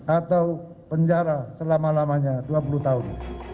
atau penjara selama lamanya dua puluh tahun